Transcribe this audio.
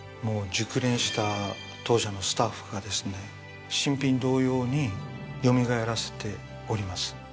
熟練した当社のスタッフがですね新品同様によみがえらせております。